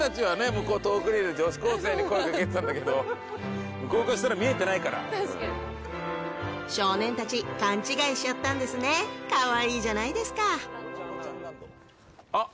向こう遠くにいる女子高生に声かけてたんだけど向こうからしたら見えてないから確かに少年たち勘違いしちゃったんですねかわいいじゃないですかあっ！